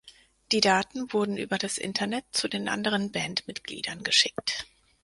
Die Daten wurden über das Internet zu den anderen Bandmitgliedern geschickt.